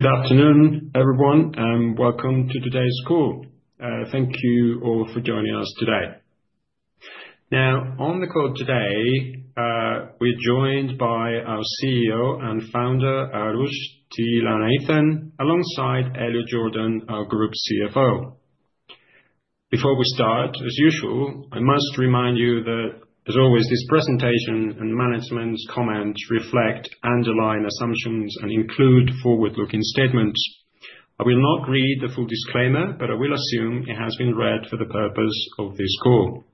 Good afternoon, everyone, and welcome to today's call. Thank you all for joining us today. Now, on the call today, we're joined by our CEO and founder, Aroosh Thillainathan, alongside Elliot Jordan, our Group CFO. Before we start, as usual, I must remind you that, as always, this presentation and the management's comments reflect underlying assumptions, and include forward-looking statements. I will not read the full disclaimer, but I will assume it has been read for the purpose of this call.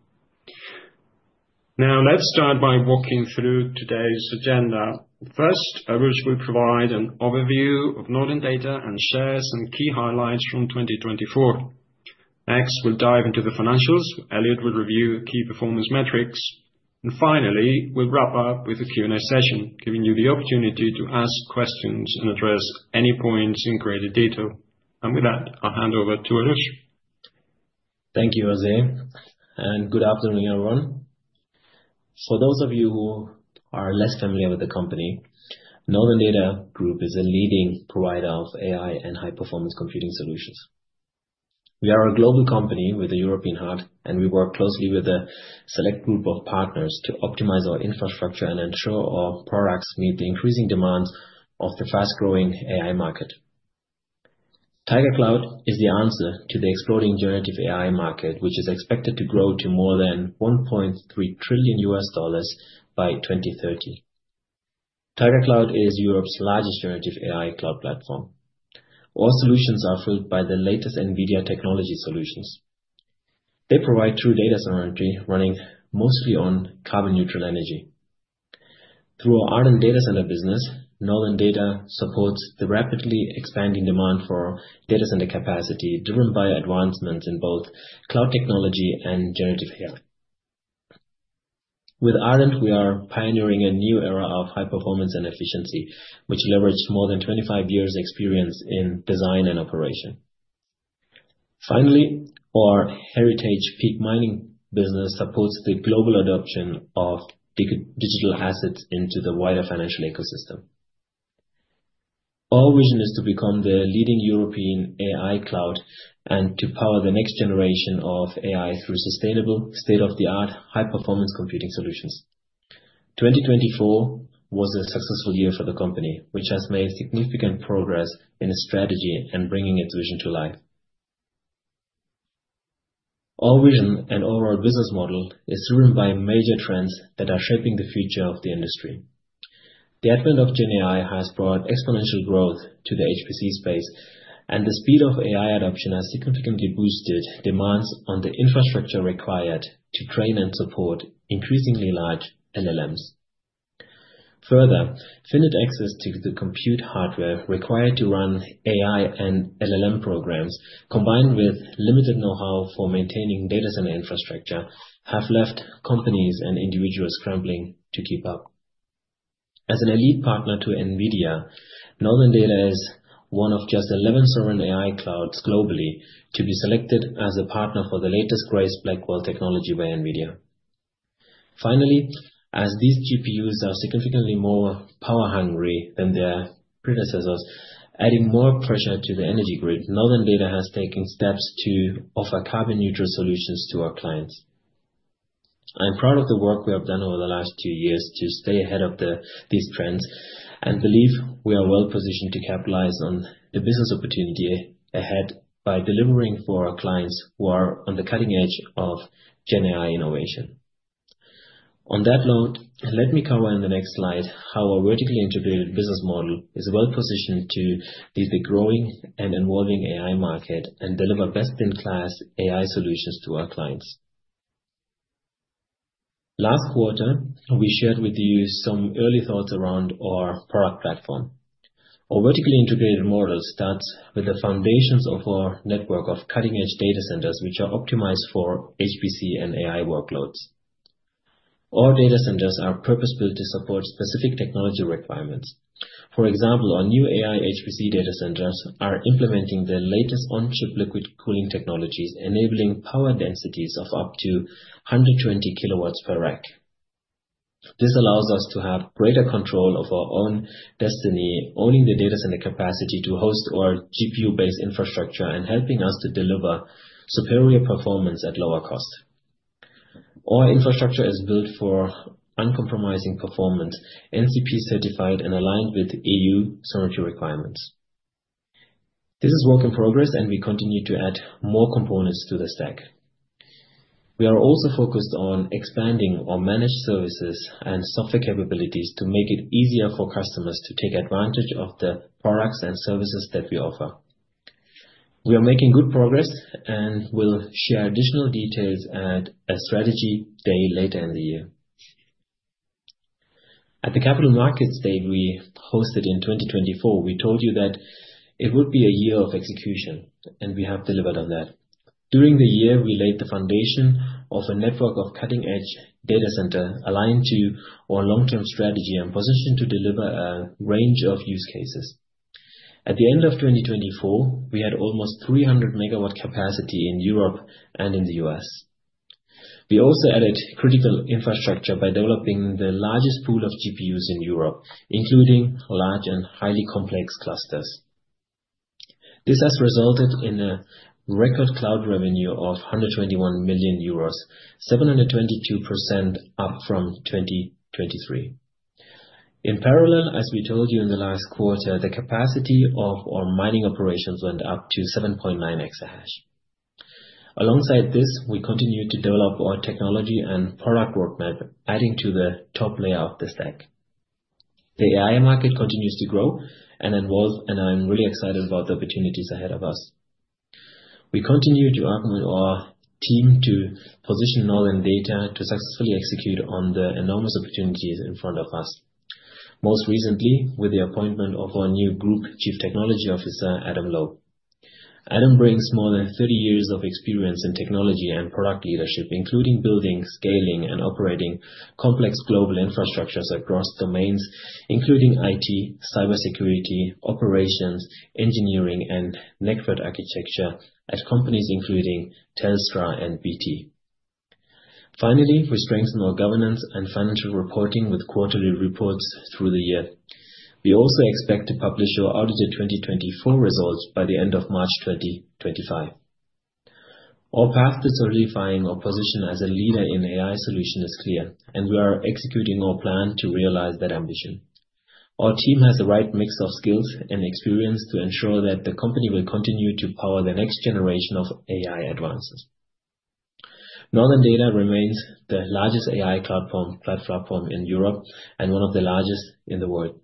Now, let's start by walking through today's agenda. First, Aroosh will provide an overview of Northern Data and share some key highlights from 2024. Next, we'll dive into the financials. Elliot will review key performance metrics. And finally, we'll wrap up with a Q&A session, giving you the opportunity to ask questions and address any points in greater detail. And with that, I'll hand over to Aroosh. Thank you, Jose. Good afternoon, everyone. For those of you who are less familiar with the company, Northern Data Group is a leading provider of AI and high-performance computing solutions. We are a global company with a European heart, and we work closely with a select group of partners to optimize our infrastructure and ensure our products meet the increasing demands of the fast-growing AI market. Taiga Cloud is the answer to the exploding generative AI market, which is expected to grow to more than $1.3 trillion by 2030. Taiga Cloud is Europe's largest generative AI cloud platform. All solutions are fueled by the latest NVIDIA technology solutions. They provide true data synergy, running mostly on carbon-neutral energy. Through our Ardent Data Centers business, Northern Data supports the rapidly expanding demand for data center capacity driven by advancements in both cloud technology and generative AI. With Ardent, we are pioneering a new era of high performance and efficiency, which leveraged more than 25 years' experience in design and operation. Finally, our heritage Peak Mining business supports the global adoption of digital assets into the wider financial ecosystem. Our vision is to become the leading European AI cloud and to power the next generation of AI through sustainable, state-of-the-art, high-performance computing solutions. 2024 was a successful year for the company, which has made significant progress in its strategy and bringing its vision to life. Our vision and overall business model is driven by major trends that are shaping the future of the industry. The advent of GenAI has brought exponential growth to the HPC space, and the speed of AI adoption has significantly boosted demands on the infrastructure required to train and support increasingly large LLMs. Further, finite access to the compute hardware required to run AI and LLM programs, combined with limited know-how for maintaining data center infrastructure, have left companies and individuals scrambling to keep up. As an elite partner to NVIDIA, Northern Data is one of just 11 sovereign AI clouds globally to be selected as a partner for the latest, greatest Blackwell technology by NVIDIA. Finally, as these GPUs are significantly more power-hungry than their predecessors, adding more pressure to the energy grid, Northern Data has taken steps to offer carbon-neutral solutions to our clients. I'm proud of the work we have done over the last two years to stay ahead of these trends and believe we are well-positioned to capitalize on the business opportunity ahead by delivering for our clients who are on the cutting edge of GenAI innovation. On that note, let me cover in the next slide how our vertically integrated business model is well-positioned to lead the growing and evolving AI market and deliver best-in-class AI solutions to our clients. Last quarter, we shared with you some early thoughts around our product platform. Our vertically integrated model starts with the foundations of our network of cutting-edge data centers, which are optimized for HPC and AI workloads. Our data centers are purpose-built to support specific technology requirements. For example, our new AI HPC data centers are implementing the latest on-chip liquid cooling technologies, enabling power densities of up to 120 kW/rack. This allows us to have greater control of our own destiny, owning the data center capacity to host our GPU-based infrastructure and helping us to deliver superior performance at lower cost. Our infrastructure is built for uncompromising performance, NCP-certified, and aligned with EU sovereignty requirements. This is a work in progress, and we continue to add more components to the stack. We are also focused on expanding our managed services and software capabilities to make it easier for customers to take advantage of the products and services that we offer. We are making good progress and will share additional details at a strategy day later in the year. At the Capital Markets Day we hosted in 2024, we told you that it would be a year of execution, and we have delivered on that. During the year, we laid the foundation of a network of cutting-edge data centers aligned to our long-term strategy and positioned to deliver a range of use cases. At the end of 2024, we had almost 300 MW capacity in Europe and in the U.S. We also added critical infrastructure by developing the largest pool of GPUs in Europe, including large and highly complex clusters. This has resulted in a record cloud revenue of 121 million euros, 722% up from 2023. In parallel, as we told you in the last quarter, the capacity of our mining operations went up to 7.9 exahash. Alongside this, we continue to develop our technology and product roadmap, adding to the top layer of the stack. The AI market continues to grow and evolve, and I'm really excited about the opportunities ahead of us. We continue to urge our team to position Northern Data to successfully execute on the enormous opportunities in front of us, most recently with the appointment of our new Group Chief Technology Officer, Adam Lowe. Adam brings more than 30 years of experience in technology and product leadership, including building, scaling, and operating complex global infrastructures across domains, including IT, cybersecurity, operations, engineering, and network architecture at companies including Telstra and BT. Finally, we strengthen our governance and financial reporting with quarterly reports through the year. We also expect to publish our audited 2024 results by the end of March 2025. Our path to solidifying our position as a leader in AI solutions is clear, and we are executing our plan to realize that ambition. Our team has the right mix of skills and experience to ensure that the company will continue to power the next generation of AI advances. Northern Data remains the largest AI cloud platform in Europe and one of the largest in the world.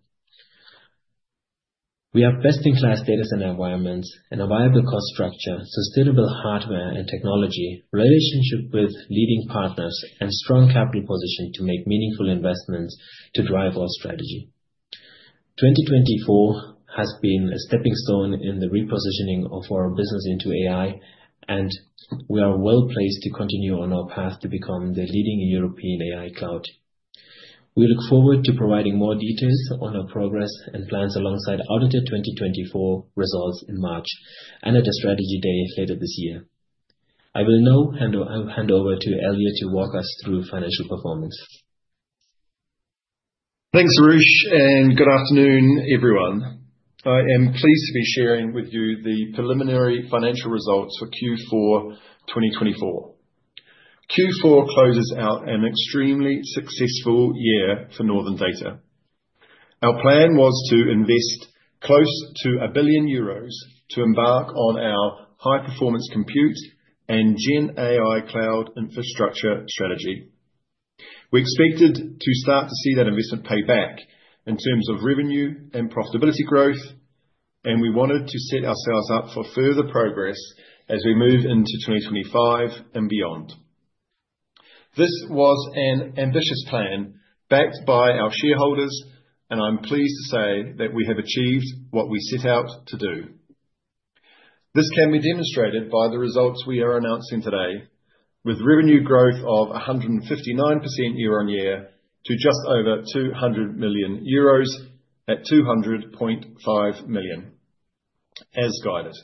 We have best-in-class data center environments, a viable cost structure, sustainable hardware and technology, a relationship with leading partners, and a strong capital position to make meaningful investments to drive our strategy. 2024 has been a stepping stone in the repositioning of our business into AI, and we are well placed to continue on our path to become the leading European AI cloud. We look forward to providing more details on our progress and plans alongside audited 2024 results in March and at a strategy day later this year. I will now hand over to Elliot to walk us through financial performance. Thanks, Aroosh, and good afternoon, everyone. I am pleased to be sharing with you the preliminary financial results for Q4 2024. Q4 closes out an extremely successful year for Northern Data. Our plan was to invest close to 1 billion euros to embark on our high-performance compute and GenAI cloud infrastructure strategy. We expected to start to see that investment pay back in terms of revenue and profitability growth, and we wanted to set ourselves up for further progress as we move into 2025 and beyond. This was an ambitious plan backed by our shareholders, and I'm pleased to say that we have achieved what we set out to do. This can be demonstrated by the results we are announcing today, with revenue growth of 159% year-on-year to just over 200 million euros at 200.5 million, as guided.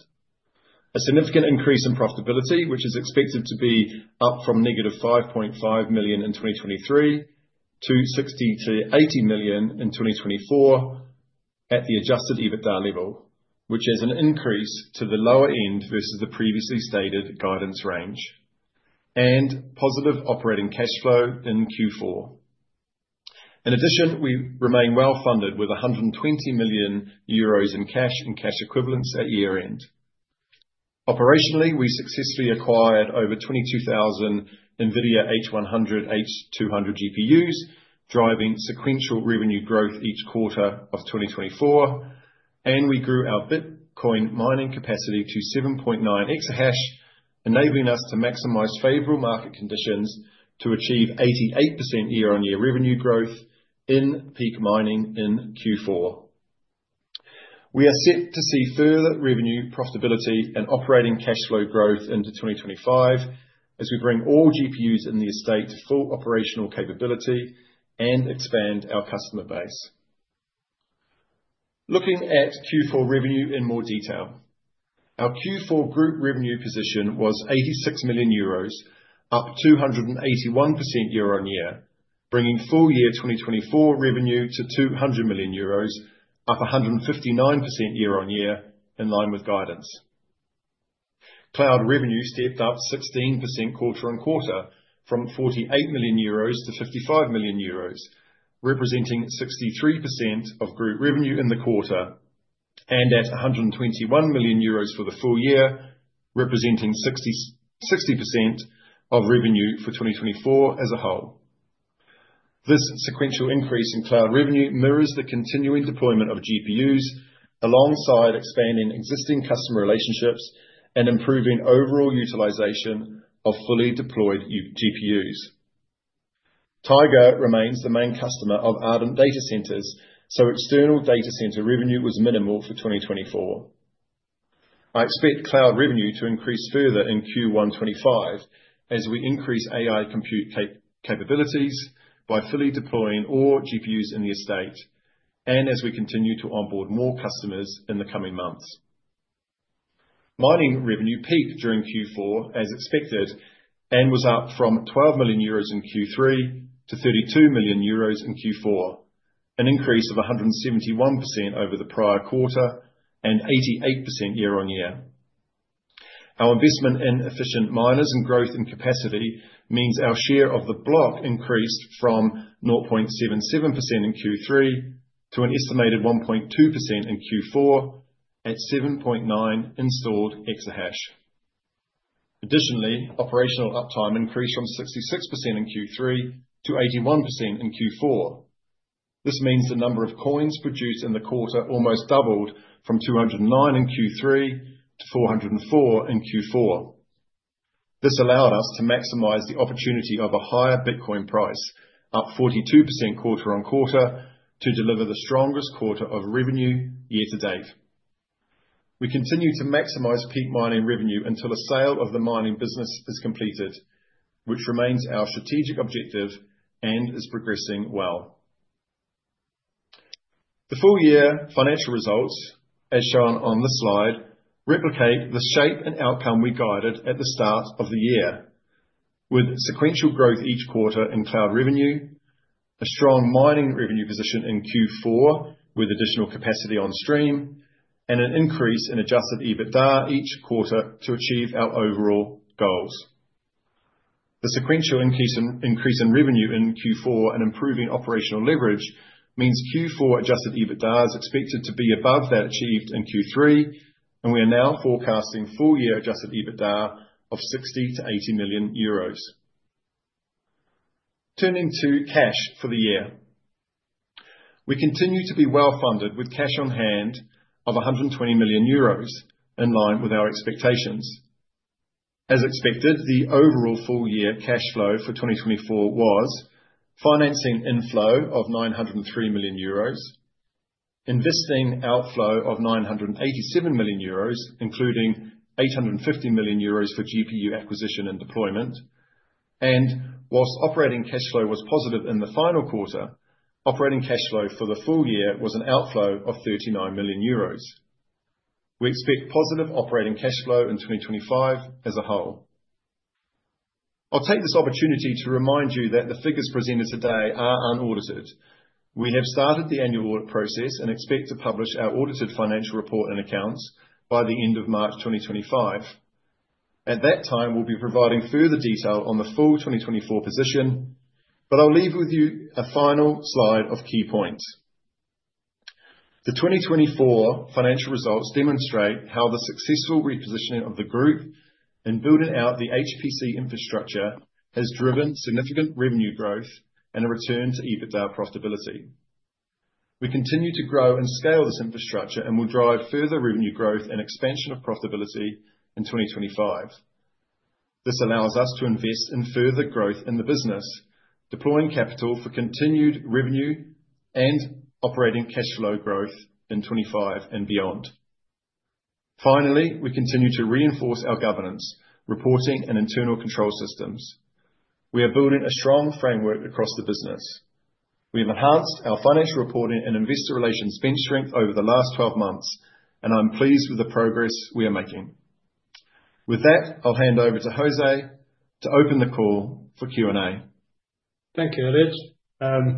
A significant increase in profitability, which is expected to be up from -5.5 million in 2023 to 60 million to 80 million in 2024 at the adjusted EBITDA level, which is an increase to the lower end versus the previously stated guidance range, and positive operating cash flow in Q4. In addition, we remain well funded with 120 million euros in cash and cash equivalents at year-end. Operationally, we successfully acquired over 22,000 NVIDIA H100, H200 GPUs, driving sequential revenue growth each quarter of 2024, and we grew our Bitcoin mining capacity to 7.9 exahash, enabling us to maximize favorable market conditions to achieve 88% year-on-year revenue growth in Peak Mining in Q4. We are set to see further revenue, profitability, and operating cash flow growth into 2025 as we bring all GPUs in the estate to full operational capability and expand our customer base. Looking at Q4 revenue in more detail, our Q4 group revenue position was EUR 86 million, up 281% year-on-year, bringing full-year 2024 revenue to 200 million euros, up 159% year-on-year in line with guidance. Cloud revenue stepped up 16% quarter on quarter from 48 million euros to 55 million euros, representing 63% of group revenue in the quarter, and at 121 million euros for the full year, representing 60% of revenue for 2024 as a whole. This sequential increase in cloud revenue mirrors the continuing deployment of GPUs alongside expanding existing customer relationships and improving overall utilization of fully deployed GPUs. Taiga remains the main customer of Ardent Data Centers, so external data center revenue was minimal for 2024. I expect cloud revenue to increase further in Q1 2025 as we increase AI compute capabilities by fully deploying all GPUs in the estate and as we continue to onboard more customers in the coming months. Mining revenue peaked during Q4, as expected, and was up from 12 million euros in Q3 to 32 million euros in Q4, an increase of 171% over the prior quarter and 88% year-on-year. Our investment in efficient miners and growth in capacity means our share of the block increased from 0.77% in Q3 to an estimated 1.2% in Q4 at 7.9 installed exahash. Additionally, operational uptime increased from 66% in Q3 to 81% in Q4. This means the number of coins produced in the quarter almost doubled from 209 in Q3 to 404 in Q4. This allowed us to maximize the opportunity of a higher Bitcoin price, up 42% quarter-on-quarter, to deliver the strongest quarter of revenue year to date. We continue to maximize Peak Mining revenue until a sale of the mining business is completed, which remains our strategic objective and is progressing well. The full-year financial results, as shown on the slide, replicate the shape and outcome we guided at the start of the year, with sequential growth each quarter in cloud revenue, a strong mining revenue position in Q4 with additional capacity on stream, and an increase in adjusted EBITDA each quarter to achieve our overall goals. The sequential increase in revenue in Q4 and improving operational leverage means Q4 adjusted EBITDA is expected to be above that achieved in Q3, and we are now forecasting full-year adjusted EBITDA of 60 million to 80 million euros. Turning to cash for the year, we continue to be well funded with cash on hand of 120 million euros in line with our expectations. As expected, the overall full year cash flow for 2024 was financing inflow of 903 million euros, investing outflow of 987 million euros, including 850 million euros for GPU acquisition and deployment, and while operating cash flow was positive in the final quarter, operating cash flow for the full year was an outflow of 39 million euros. We expect positive operating cash flow in 2025 as a whole. I'll take this opportunity to remind you that the figures presented today are unaudited. We have started the annual audit process and expect to publish our audited financial report and accounts by the end of March 2025. At that time, we'll be providing further detail on the full 2024 position, but I'll leave you with a final slide of key points. The 2024 financial results demonstrate how the successful repositioning of the group and building out the HPC infrastructure has driven significant revenue growth and a return to EBITDA profitability. We continue to grow and scale this infrastructure and will drive further revenue growth and expansion of profitability in 2025. This allows us to invest in further growth in the business, deploying capital for continued revenue and operating cash flow growth in 2025 and beyond. Finally, we continue to reinforce our governance, reporting, and internal control systems. We are building a strong framework across the business. We have enhanced our financial reporting and investor relations bench strength over the last 12 months, and I'm pleased with the progress we are making. With that, I'll hand over to Jose to open the call for Q&A. Thank you, Elliot.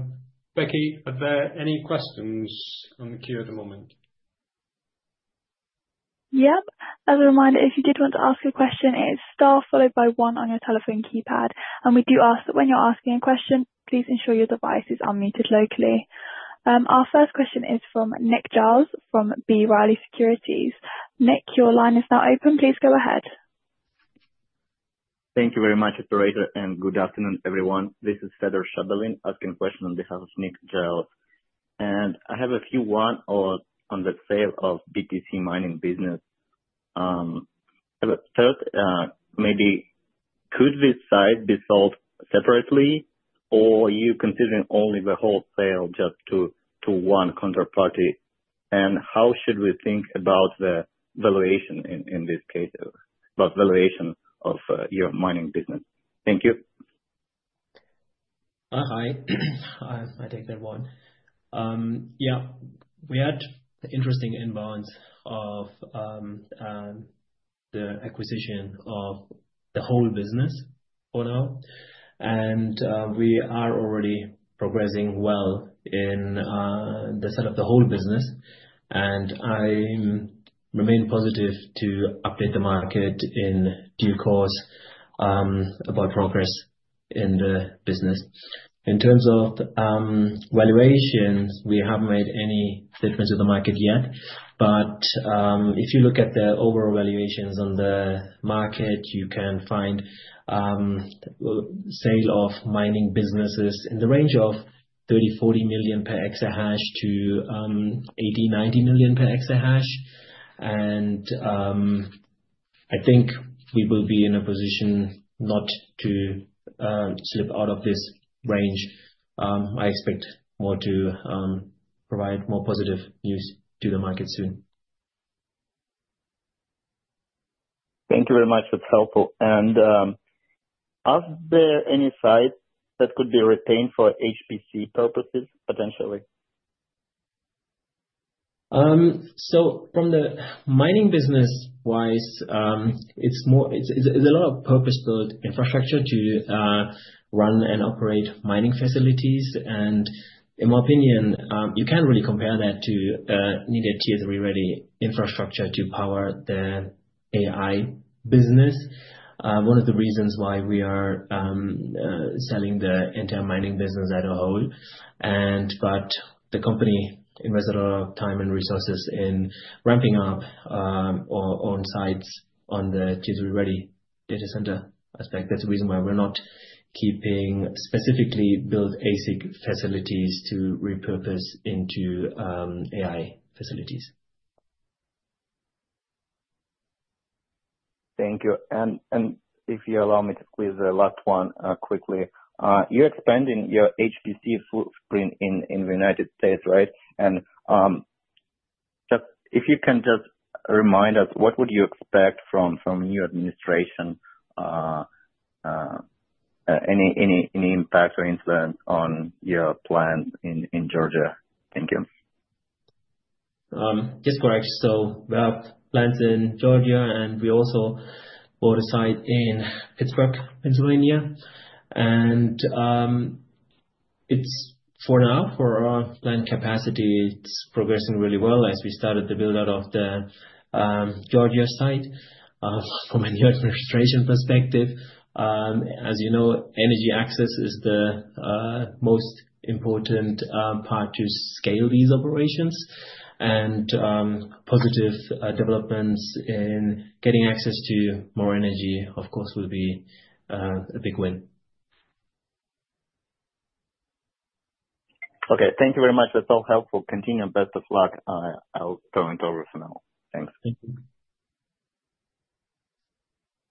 Becky, are there any questions on the queue at the moment? Yep. As a reminder, if you did want to ask a question, it's star followed by one on your telephone keypad. And we do ask that when you're asking a question, please ensure your device is unmuted locally. Our first question is from Nick Giles from B. Riley Securities. Nick, your line is now open. Please go ahead. Thank you very much, Operator, and good afternoon, everyone. This is Fedor Shabalin asking a question on behalf of Nick Giles, and I have a Q1 on the sale of BTC mining business. Maybe could this site be sold separately, or are you considering only the whole sale just to one counterparty, and how should we think about the valuation in this case, about valuation of your mining business? Thank you. Hi. Hi, Becky, everyone. Yeah, we had an interesting inbound of the acquisition of the whole business for now, and we are already progressing well in the setup of the whole business, and I remain positive to update the market in due course about progress in the business. In terms of valuations, we haven't made any statements to the market yet, but if you look at the overall valuations on the market, you can find the sale of mining businesses in the range of 30-40 million per exahash to 80-90 million per exahash, and I think we will be in a position not to slip out of this range. I expect more to provide more positive news to the market soon. Thank you very much. That's helpful. And are there any sites that could be retained for HPC purposes potentially? So from the mining business-wise, it's a lot of purpose-built infrastructure to run and operate mining facilities. And in my opinion, you can't really compare that to a needed Tier III-ready infrastructure to power the AI business. One of the reasons why we are selling the entire mining business as a whole, but the company invested a lot of time and resources in ramping up our own sites on the Tier III-ready data center aspect. That's the reason why we're not keeping specifically built ASIC facilities to repurpose into AI facilities. Thank you. And if you allow me to squeeze the last one quickly, you're expanding your HPC footprint in the United States, right? And if you can just remind us, what would you expect from your administration? Any impact or influence on your plans in Georgia? Thank you. Yes, correct. So we have plans in Georgia, and we also bought a site in Pittsburgh, Pennsylvania. And for now, for our plant capacity, it's progressing really well as we started the build-out of the Georgia site from a new administration perspective. As you know, energy access is the most important part to scale these operations. And positive developments in getting access to more energy, of course, will be a big win. Okay. Thank you very much. That's all helpful. Continue. Best of luck. I'll turn it over for now. Thanks.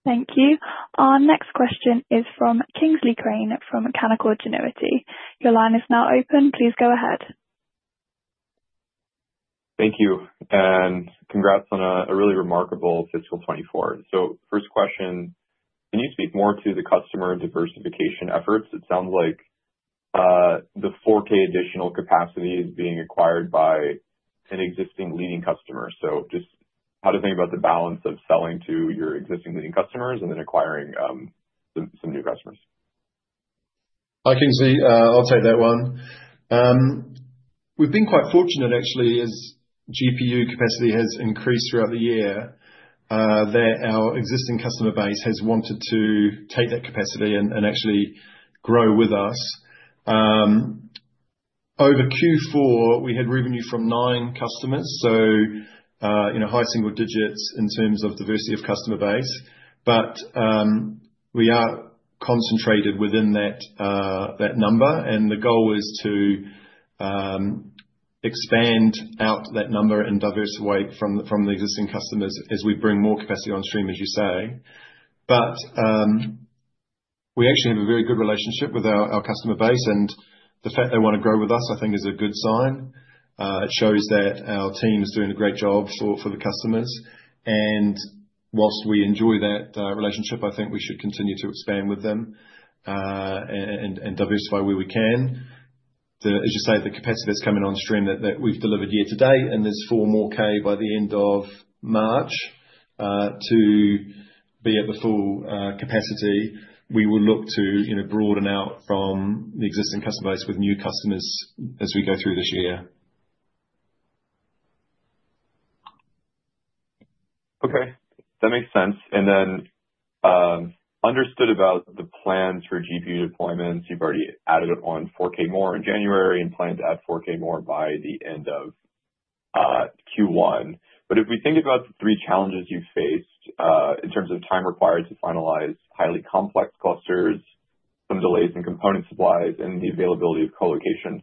Thank you. Thank you. Our next question is from Kingsley Crane from Canaccord Genuity. Your line is now open. Please go ahead. Thank you. And congrats on a really remarkable Fiscal 2024. So first question, can you speak more to the customer diversification efforts? It sounds like the 4K additional capacity is being acquired by an existing leading customer. So just how do you think about the balance of selling to your existing leading customers and then acquiring some new customers? Hi, Kingsley. I'll take that one. We've been quite fortunate, actually, as GPU capacity has increased throughout the year, that our existing customer base has wanted to take that capacity and actually grow with us. Over Q4, we had revenue from nine customers, so high-single digits in terms of diversity of customer base. But we are concentrated within that number, and the goal is to expand out that number and diversify from the existing customers as we bring more capacity on stream, as you say. But we actually have a very good relationship with our customer base, and the fact they want to grow with us, I think, is a good sign. It shows that our team is doing a great job for the customers. And whilst we enjoy that relationship, I think we should continue to expand with them and diversify where we can. As you say, the capacity that's coming on stream that we've delivered year to date, and there's four more K by the end of March to be at the full capacity. We will look to broaden out from the existing customer base with new customers as we go through this year. Okay. That makes sense. And then understood about the plans for GPU deployments. You've already added on 4K more in January and plan to add 4K more by the end of Q1. But if we think about the three challenges you've faced in terms of time required to finalize highly complex clusters, some delays in component supplies, and the availability of colocation,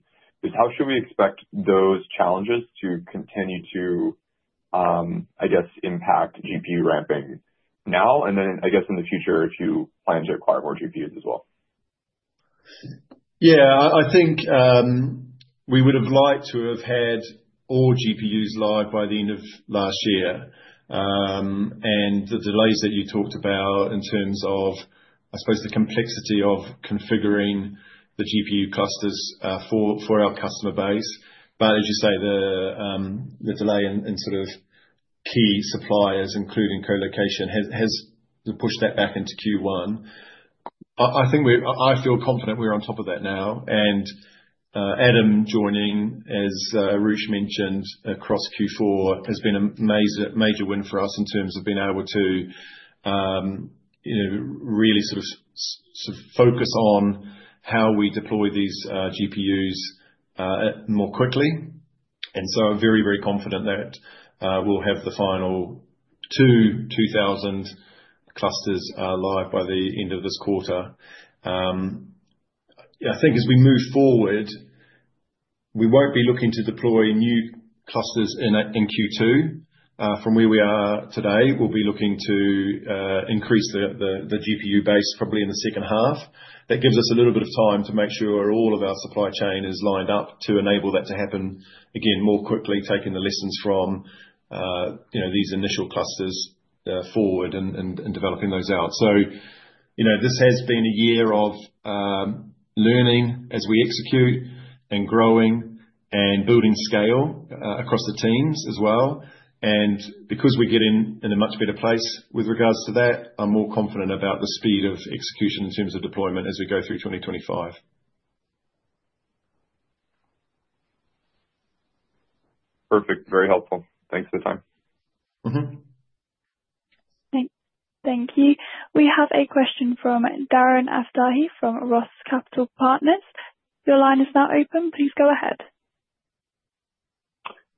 how should we expect those challenges to continue to, I guess, impact GPU ramping now and then, I guess, in the future if you plan to acquire more GPUs as well? Yeah. I think we would have liked to have had all GPUs live by the end of last year, and the delays that you talked about in terms of, I suppose, the complexity of configuring the GPU clusters for our customer base. But as you say, the delay in sort of key suppliers, including colocation, has pushed that back into Q1. I feel confident we're on top of that now, and Adam joining, as Aroosh mentioned, across Q4 has been a major win for us in terms of being able to really sort of focus on how we deploy these GPUs more quickly, and so I'm very, very confident that we'll have the final two 2,000 clusters live by the end of this quarter. I think as we move forward, we won't be looking to deploy new clusters in Q2. From where we are today, we'll be looking to increase the GPU base probably in the second half. That gives us a little bit of time to make sure all of our supply chain is lined up to enable that to happen again more quickly, taking the lessons from these initial clusters forward and developing those out, so this has been a year of learning as we execute and growing and building scale across the teams as well, and because we're getting in a much better place with regards to that, I'm more confident about the speed of execution in terms of deployment as we go through 2025. Perfect. Very helpful. Thanks for the time. Thank you. We have a question from Darren Aftahi from Roth Capital Partners. Your line is now open. Please go ahead.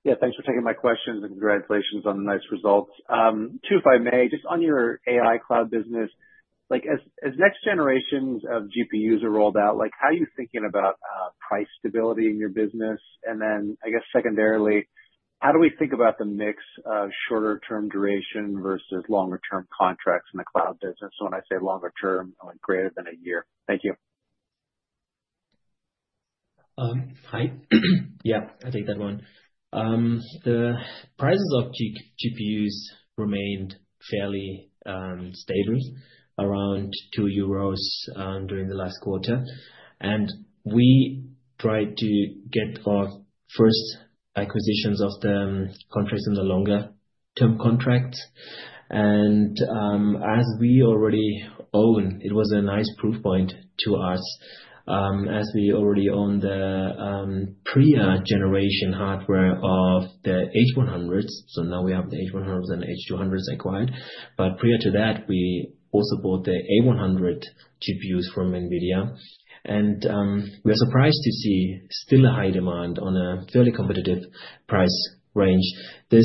Yeah. Thanks for taking my questions and congratulations on the nice results. Two, if I may, just on your AI cloud business, as next generations of GPUs are rolled out, how are you thinking about price stability in your business? And then, I guess, secondarily, how do we think about the mix of shorter-term duration versus longer-term contracts in the cloud business? So when I say longer-term, I mean greater than a year. Thank you. Hi. Yeah, I'll take that one. The prices of GPUs remained fairly stable, around 2 euros during the last quarter, and we tried to get our first acquisitions of the contracts in the longer-term contracts, and as we already own, it was a nice proof point to us, as we already own the pre-generation hardware of the H100s, so now we have the H100s and H200s acquired, but prior to that, we also bought the A100 GPUs from NVIDIA, and we are surprised to see still a high demand on a fairly competitive price range. This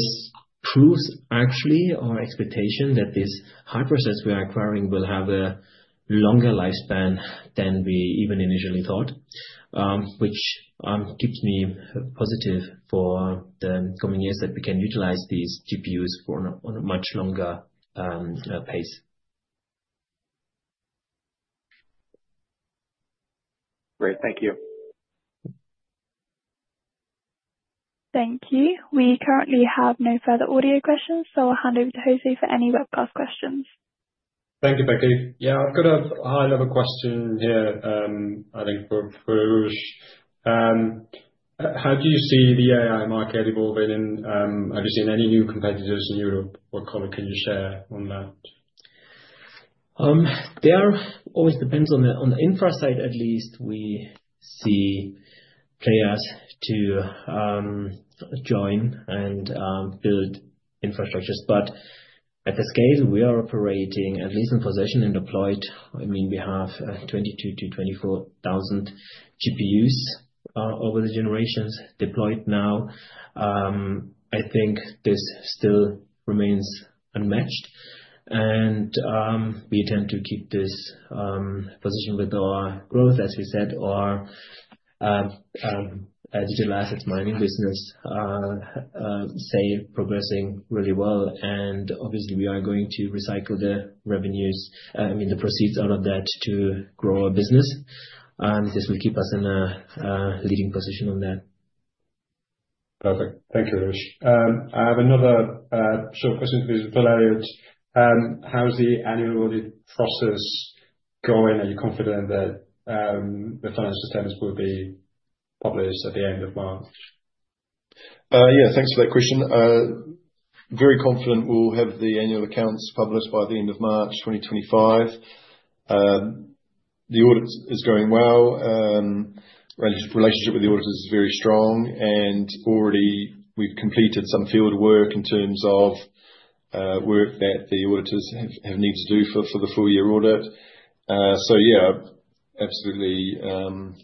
proves actually our expectation that this hardware set we are acquiring will have a longer lifespan than we even initially thought, which keeps me positive for the coming years that we can utilize these GPUs for a much longer pace. Great. Thank you. Thank you. We currently have no further audio questions, so I'll hand over to Jose for any webcast questions. Thank you, Becky. Yeah, I've got a high-level question here, I think, for Aroosh. How do you see the AI market evolving? And have you seen any new competitors in Europe? What color can you share on that? There always depends on the infra side, at least. We see players to join and build infrastructures, but at the scale we are operating, at least in possession and deployed, I mean, we have 22,000 GPUs to 24,000 GPUs over the generations deployed now. I think this still remains unmatched, and we tend to keep this position with our growth, as we said, our digital assets mining business, say, progressing really well. And obviously, we are going to recycle the revenues, I mean, the proceeds out of that to grow our business. This will keep us in a leading position on that. Perfect. Thank you, Aroosh. I have another short question for you, Valerio. How's the annual audit process going? Are you confident that the financial statements will be published at the end of March? Yeah. Thanks for that question. Very confident we'll have the annual accounts published by the end of March 2025. The audit is going well. Relationship with the auditors is very strong, and already we've completed some fieldwork in terms of work that the auditors have needed to do for the full-year audit. So yeah, absolutely.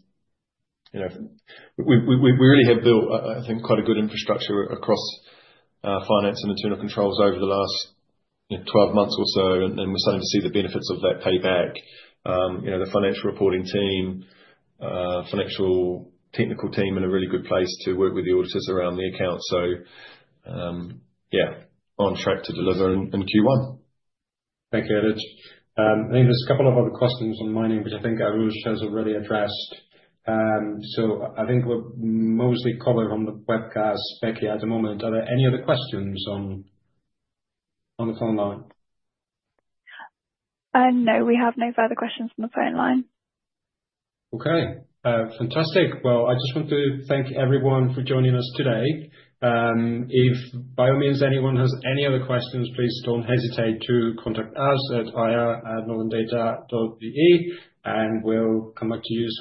We really have built, I think, quite a good infrastructure across finance and internal controls over the last 12 months or so, and we're starting to see the benefits of that payback. The financial reporting team, financial technical team in a really good place to work with the auditors around the accounts. So yeah, on track to deliver in Q1. Thank you, Elliot. I think there's a couple of other questions on mining, which I think Aroosh has already addressed. So I think we're mostly covered on the webcast, Becky, at the moment. Are there any other questions on the phone line? No, we have no further questions on the phone line. Okay. Fantastic. I just want to thank everyone for joining us today. If, by all means, anyone has any other questions, please don't hesitate to contact us at ir@northerndata.de, and we'll come back to you soon.